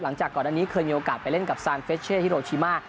หลังจากก่อนอันนี้เคยมีโอกาสไปเล่นกับซานเฟชเช่ฮิโรชิมา